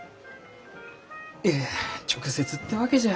いや直接ってわけじゃ。